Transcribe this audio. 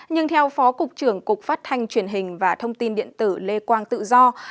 nhưng theo phó cục trưởng cục phát thanh truyền hình và thông tin điện tử lê quang tự do